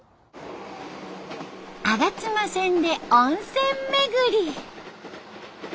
吾妻線で温泉巡り。